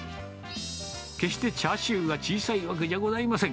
決してチャーシューが小さいわけじゃございません。